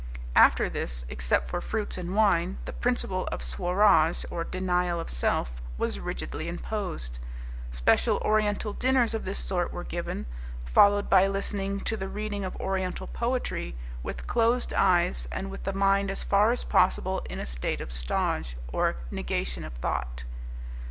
After this, except for fruits and wine, the principle of Swaraj, or denial of self, was rigidly imposed. Special Oriental dinners of this sort were given, followed by listening to the reading of Oriental poetry, with closed eyes and with the mind as far as possible in a state of Stoj, or Negation of Thought.